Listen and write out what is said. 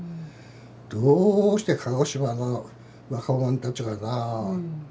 どうして鹿児島の若者たちがな。